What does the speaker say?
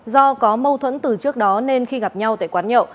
do có mâu thuẫn từ trước đó nên khi gặp nhau tại quán nhậu